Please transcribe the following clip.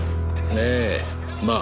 ええまあ